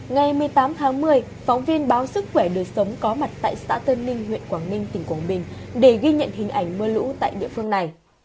ngày một mươi tám tháng một mươi phóng viên báo sức khỏe đời sống có mặt tại xã tân ninh huyện quảng ninh tỉnh quảng bình để ghi nhận hình ảnh mưa lũ tại địa phương này